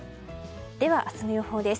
では明日の予報です。